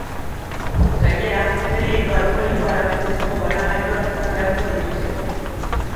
Gainera, gel hidroalkoholikoa erabailtzeko banagailuak izan beharko dituzte.